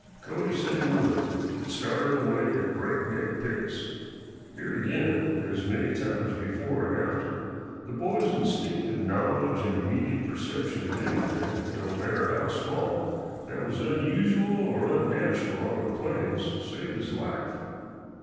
Cody said he would, and started away at breakneck pace. Here again, as many times before and after, the boy's instinctive knowledge and immediate perception of anything, no matter how small, that was unusual or unnatural on the plains saved his life.